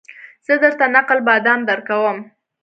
زه درته نقل بادام درکوم